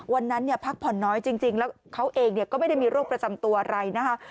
วันนั้นพักผ่อนน้อยจริงแล้วเขาเองก็ไม่ได้มีโรคประจำตัวอะไรนะคะ